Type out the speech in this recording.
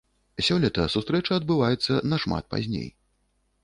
Сёлета сустрэча адбываецца нашмат пазней.